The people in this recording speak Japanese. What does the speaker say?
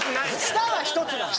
舌は１つ。